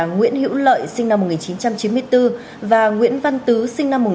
nguyễn hữu lợi sinh năm một nghìn chín trăm chín mươi bốn và nguyễn văn tứ sinh năm một nghìn chín trăm tám mươi